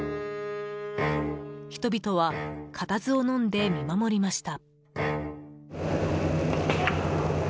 人々は固唾をのんで見守りました。